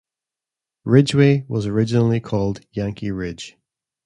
Ridgeway was originally called "Yankee Ridge".